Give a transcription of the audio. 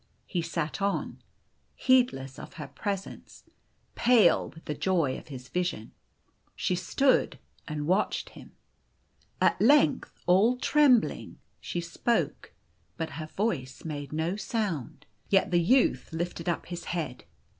He sat on, heedless of her presence, pale with the joy of his vision. She stood and watched him. At length, all trembling, she spoke. But her voice made no sound. Yet the youth lifted up his head.